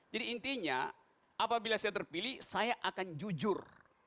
jadi intinya apabila saya terpilih saya akan jujur